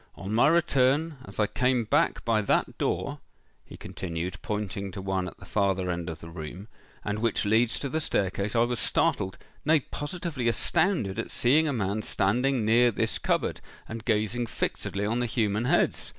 On my return, as I came back by that door," he continued, pointing to one at the farther end of the room, "and which leads to the staircase, I was startled—nay, positively astounded at seeing a man standing near this cupboard, and gazing fixedly on the human heads.